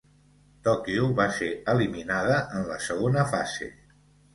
Tòquio va ser eliminada en la segona fase.